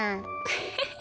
フフフ。